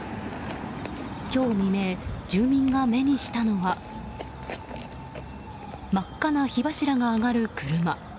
今日未明、住民が目にしたのは真っ赤な火柱が上がる車。